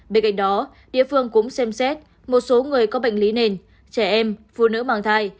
bên cạnh đó địa phương cũng xem xét một số người có bệnh lý nền trẻ em phụ nữ mang thai